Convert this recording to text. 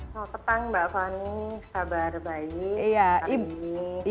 selamat petang mbak fani kabar baik